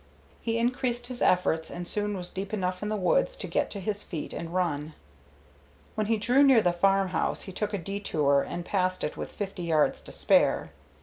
He increased his efforts and soon was deep enough in the woods to get to his feet and run. When he drew near the farmhouse he took a detour and passed it with fifty yards to spare.